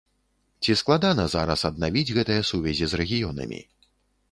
Ці складана зараз аднавіць гэтыя сувязі з рэгіёнамі?